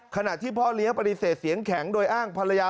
ขณะที่พ่อเลี้ยงปฏิเสธเสียงแข็งโดยอ้างภรรยา